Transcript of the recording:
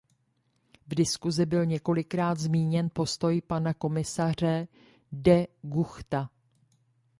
V diskusi byl několikrát zmíněn postoj pana komisaře De Guchta.